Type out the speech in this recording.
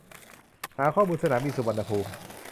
หาข้อมูลสนามบินสุวรรณภูมิ